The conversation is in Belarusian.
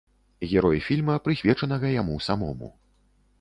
Герой фільма, прысвечанага яму самому.